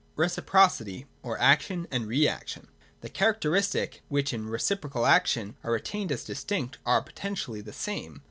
(c) Reciprocity or Action and Reaction. 155.] The characteristics which in Reciprocal Action are retained as distinct are (a) potentially the same.